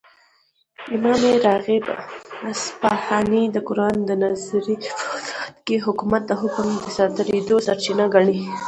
،امام راغب اصفهاني دقران دنظري په وضاحت كې حكومت دحكم دصادريدو سرچينه ګڼي